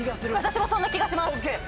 私もそんな気がします。